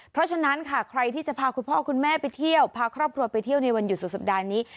เพราะฉะนั้นค่ะใครที่จะพาคุณพ่อคุณแม่ไปเที่ยวพาครอบครัวไปเที่ยวในวันหยุดสุดสัปดาห์นี้